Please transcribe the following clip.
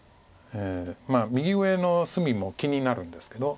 右上の隅も気になるんですけど。